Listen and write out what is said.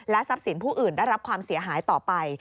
ทรัพย์สินผู้อื่นได้รับความเสียหายต่อไป